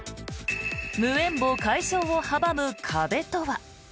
無縁墓解消を阻む壁とは。